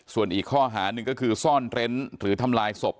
ส่วนอีกข้อหาหนึ่งก็คือซ่อนเร้นหรือทำลายศพ